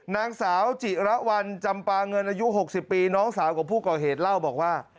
นางสาวจิระวัลจำปาเงินอายุ๖๐ปีน้องสาวของผู้ก่อเหตุเล่าบอกว่า